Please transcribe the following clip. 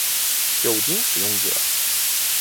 酒精使用者